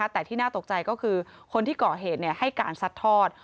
แต่ที่น่าตกใจก็คือคนที่ก่อเหตุให้การซัดทอด